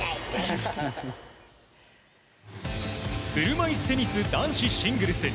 車いすテニス男子シングルス。